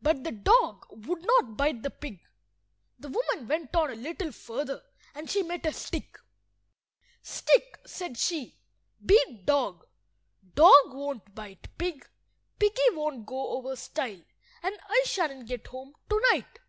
But the dog would not bite the pig. The woman went on a little further, and she met a stick. "Stick," said she, "beat dog. Dog won't bite pig, piggy won't go over stile, and I shan't get home to–night."